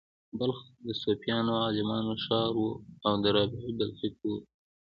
بلخ د صوفیانو او عالمانو ښار و او د رابعې بلخۍ کور و